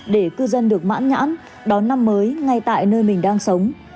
để cư dân được mãn nhãn đón năm mới ngay tại nơi mình đang sống